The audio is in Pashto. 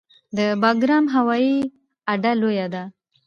د بګرام هوایي اډه لویه ده